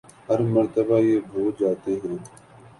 ہر مرتبہ یہ بھول جاتے ہیں